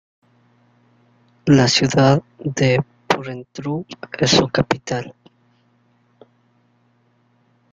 La ciudad de Porrentruy es su capital.